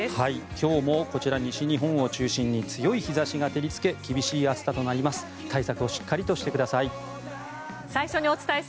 今日もこちら、西日本を中心に強い日差しが照りつけ厳しい暑さとなります。